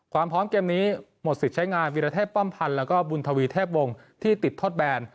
ความพร้อมเกมนี้หมดสิทธิ์ใช้งานวิรเทพป้อมพันธ์แล้วก็บุญทวีเทพวงศ์ที่ติดทดแบน